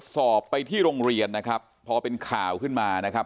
สอบไปที่โรงเรียนนะครับพอเป็นข่าวขึ้นมานะครับ